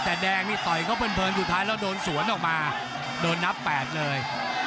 แต่แดงนี่ต่อยเขาเพลินสุดท้ายแล้วโดนสวนออกมาโดนนับ๘เลย